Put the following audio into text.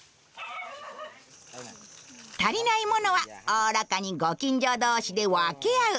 足りないものはおおらかにご近所同士で分け合う。